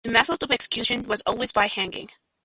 The method of execution was always by hanging.